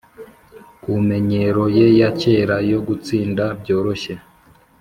kumenyero ye ya kera yo gutsinda byoroshye.